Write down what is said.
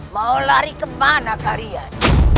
mau lari kemana kalian